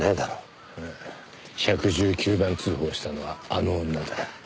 １１９番通報したのはあの女だ。